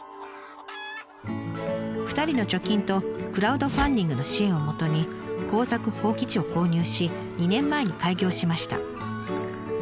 ２人の貯金とクラウドファンディングの支援をもとに耕作放棄地を購入し２年前に開業しました。